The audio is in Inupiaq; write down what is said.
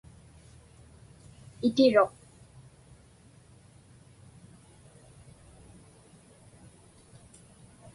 Itiruq.